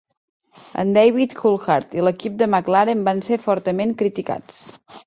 En David Coulthard i l'equip de McLaren van ser fortament criticats.